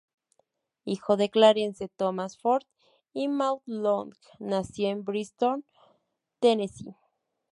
Hijo de Clarence Thomas Ford y Maud Long, nació en Bristol, Tennessee.